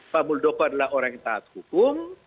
pak muldoko adalah orang yang taat hukum